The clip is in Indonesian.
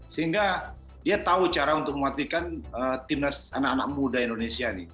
sehingga dia tahu cara untuk mematikan timnas anak anak muda indonesia nih